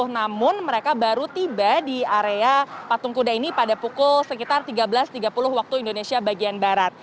namun mereka baru tiba di area patung kuda ini pada pukul sekitar tiga belas tiga puluh waktu indonesia bagian barat